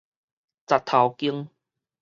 實頭間